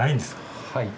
はい。